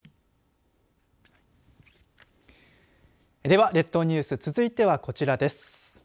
では列島ニュース続いてはこちらです。